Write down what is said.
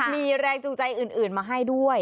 มีแรงจูงใจอื่นมาให้ด้วย